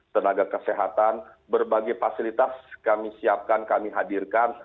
tenaga kesehatan berbagai fasilitas kami siapkan kami hadirkan